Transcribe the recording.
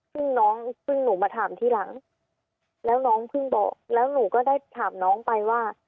ซึ่งน้องเพิ่งหนูมาถามทีหลังแล้วน้องเพิ่งบอกแล้วหนูก็ได้ถามน้องไปว่า